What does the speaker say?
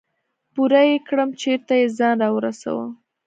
بوره يې کړم چېرته يې ځان راورسوه.